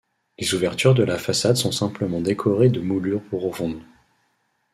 Les ouvertures de la façade sont simplement décorées de moulures peu profondes.